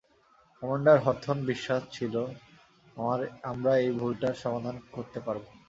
Commander Hawthorne বিশ্বাস ছিলো আমরা এই ভুলটার সমাধান করতে পারবো।